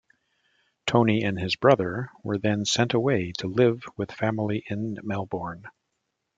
Tony and his brother were then sent away to live with family in Melbourne.